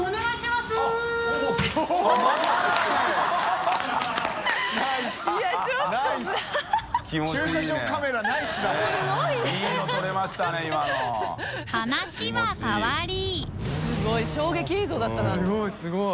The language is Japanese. すごいすごい。